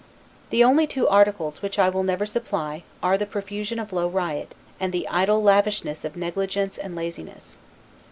The only two articles which I will never supply, are the profusion of low riot, and the idle lavishness of negligence and laziness.